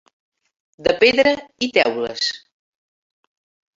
De pedra i teules.